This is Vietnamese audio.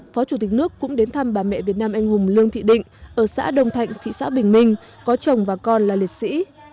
phó chủ tịch nước cũng đến thăm bà mẹ việt nam anh hùng lương thị định ở xã đồng thạnh thị xã bình minh có chồng và con là liệt sĩ